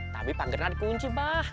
tapi pak gernar di kunci